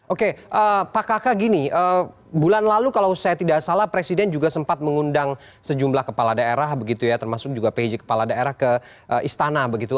oke pak kakak gini bulan lalu kalau saya tidak salah presiden juga sempat mengundang sejumlah kepala daerah begitu ya termasuk juga pj kepala daerah ke istana begitu